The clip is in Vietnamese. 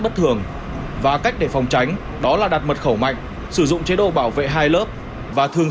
bất thường và cách để phòng tránh đó là đặt mật khẩu mạnh sử dụng chế độ bảo vệ hai lớp và thường